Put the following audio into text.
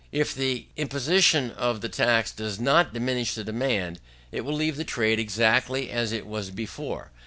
If the imposition of the tax does not diminish the demand, it will leave the trade exactly as it was before.